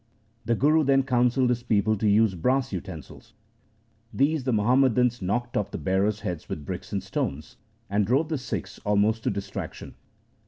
The Guru then counselled his people to use brass utensils. These the Muhammadans knocked off the bearers' heads with bricks and stones, and drove the Sikhs almost to distraction.